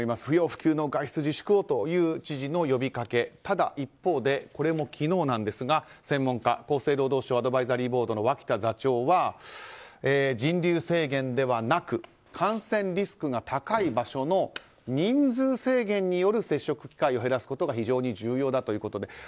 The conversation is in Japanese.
不要不急の外出自粛を！という知事の呼びかけ、ただ一方でこれも昨日なんですが、専門家厚生労働省アドバイザリーボードの脇田座長は人流制限ではなく感染リスクが高い場所の人数制限による接触機会を減らすことが非常に重要だということで。